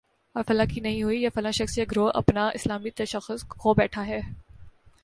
اور فلاں کی نہیں ہوئی، یا فلاں شخص یا گروہ اپنا اسلامی تشخص کھو بیٹھا ہے